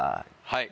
はい！